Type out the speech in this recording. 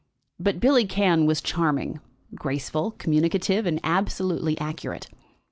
But Billy Cann was charming, graceful, communicative, and absolutely accurate.